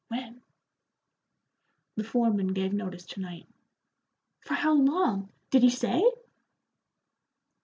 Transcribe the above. "When?" "The foreman gave notice to night." "For how long? Did he say?"